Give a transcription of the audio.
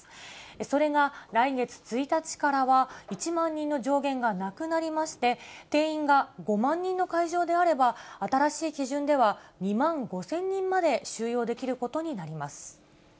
それが来月１日からは、１万人の上限がなくなりまして、定員が５万人の会場であれば、新しい基準では２万５０００人まで収容できることになります。